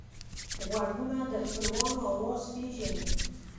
غوږونه د خپلوانو آواز پېژني